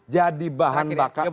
jadi bahan bakar